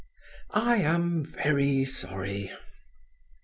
I am very sorry."